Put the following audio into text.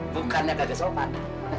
bukannya gagal sopan